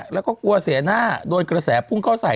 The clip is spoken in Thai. แล้วก็กลัวเสียหน้าโดนกระแสพุ่งเข้าใส่